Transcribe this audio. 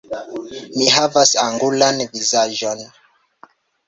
Mi havas angulan vizaĝon.